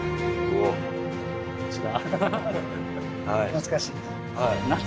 懐かしい。